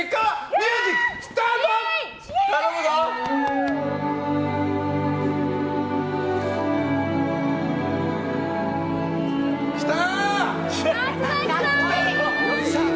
ミュージック、スタート！来た！